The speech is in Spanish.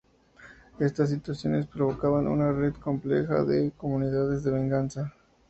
Estas situaciones provocaban una "red compleja de comunidades de venganza.